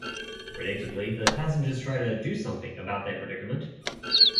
Predictably, the passengers try to do something about their predicament.